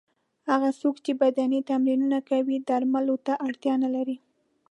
هغه څوک چې بدني تمرینونه کوي درملو ته اړتیا نه لري.